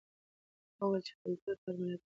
هغه وویل چې کلتور د هر ملت روح وي.